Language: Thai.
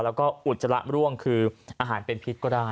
แล้วก็อุจจาระร่วงคืออาหารเป็นพิษก็ได้